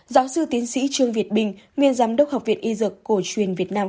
giáo sư tiến sĩ trương việt bình nguyên giám đốc học viện y dược cổ truyền việt nam